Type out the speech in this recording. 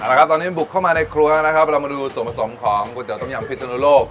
ละครับตอนนี้บุกเข้ามาในครัวนะครับเรามาดูส่วนผสมของก๋วยเตี๋ต้มยำพิศนุโลก